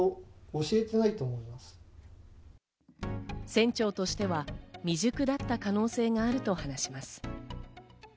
船長としては未熟だった可能性があると話します。